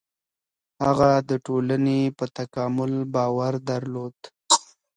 هغه د ټولني په تکامل باور درلود.